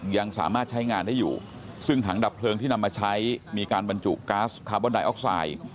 ยังสามารถใช้งานได้อยู่ซึ่งถังดับเพลิงที่นำมาใช้มีการบรรจุก๊าซคาร์บอนไดออกไซด์